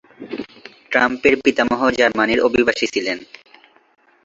ট্রাম্পের পিতামহ জার্মানির অভিবাসী ছিলেন।